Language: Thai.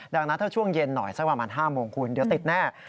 ดังนั้นถ้าช่วงเย็นหน่อยสักประมาณ๕โมงคุณเดี๋ยวติดแน่